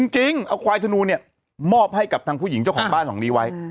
จริงเอาควายธนูเนี่ยมอบให้กับทางผู้หญิงเจ้าของบ้านหลังนี้ไว้